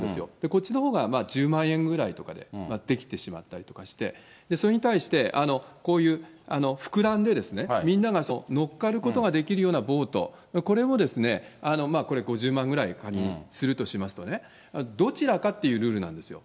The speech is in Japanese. こっちのほうが１０万円ぐらいとかでできてしまったりとかして、それに対してこういう膨らんでみんなが乗っかることができるようなボート、これも５０万ぐらい、仮にするとしますとね、どちらかというルールなんですよ。